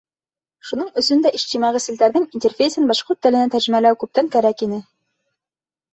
Шуның өсөн дә ижтимағи селтәрҙең интерфейсын башҡорт теленә тәржемәләү күптән кәрәк ине.